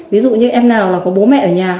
ví dụ như em nào là có bố mẹ ở nhà